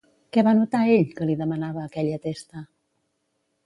Què va notar ell que li demanava aquella testa?